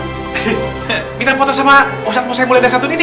he he minta foto sama ustadz musa yang mulai dah satu ini